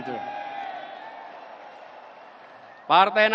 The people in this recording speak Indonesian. dan melampaui semua target target itu